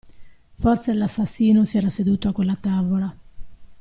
Forse, l'assassino si era seduto a quella tavola.